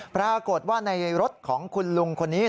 ปรากฏว่าในรถของคุณลุงคนนี้